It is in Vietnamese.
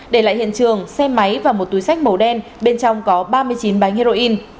để lại hiện trường xe máy và một túi sách màu đen bên trong có ba mươi chín bánh heroin